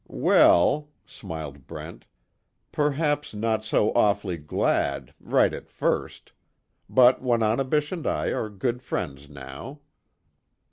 "Well," smiled Brent, "Perhaps not so awfully glad right at first. But Wananebish and I are good friends, now."